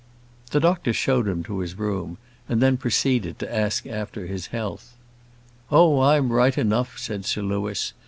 The doctor showed him to his room, and then proceeded to ask after his health. "Oh, I'm right enough," said Sir Louis.